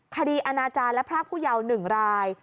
คดีอนาจารย์และพระผู้เยา๑ราย